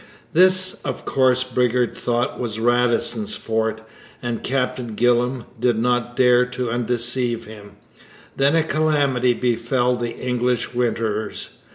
This, of course, Bridgar thought, was Radisson's fort, and Captain Gillam did not dare to undeceive him. Then a calamity befell the English winterers.